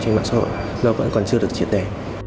trên mạng xã hội nó vẫn còn chưa được triệt đề